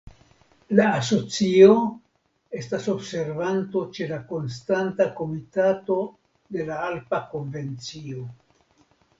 La asocio estas observanto ĉe la Konstanta Komitato de la Alpa Konvencio.